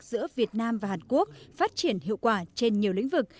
giữa việt nam và hàn quốc phát triển hiệu quả trên nhiều lĩnh vực